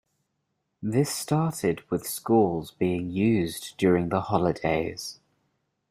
This started with schools being used during the holidays.